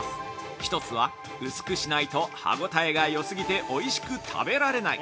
１つは、薄くしないと歯応えがよすぎておいしく食べられない。